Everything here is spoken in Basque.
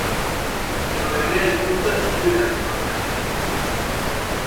Ez da egia hizkuntza eskubideak babesten direla.